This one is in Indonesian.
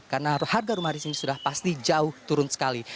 karena harga rumah di sini sudah pasti jauh turun sekali